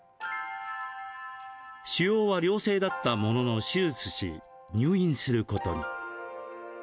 腫瘍は良性だったものの手術し、入院することに。